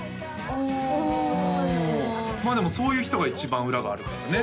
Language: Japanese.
あまあでもそういう人が一番裏があるからね